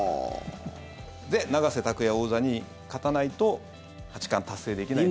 で、永瀬拓矢王座に勝たないと八冠達成できないと。